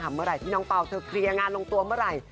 เมื่อไหร่ที่น้องเปล่าเธอเคลียร์งานลงตัวเมื่อไหร่